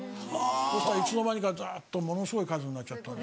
そしたらいつの間にかずっとものすごい数になっちゃった。